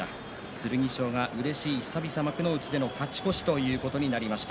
剣翔が久々の幕内での勝ち越しとなりました。